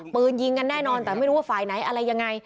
ปืนยิงกันแน่นอนแต่ไม่รู้ว่าฝ่ายไหนอะไรยังไง